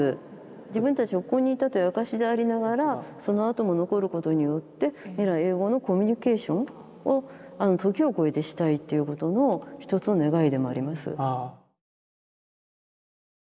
自分たちがここにいたという証しでありながらそのあとも残ることによって未来永劫のコミュニケーションを時を超えてしたいということの一つの願いでもあります。